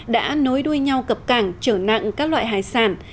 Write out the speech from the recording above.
đã nối đuôi nhau cập cảng trở nặng các loại hải sản